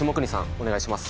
お願いします